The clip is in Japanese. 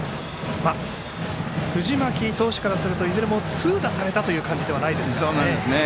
藤巻投手からするといずれも痛打された感じではありませんね。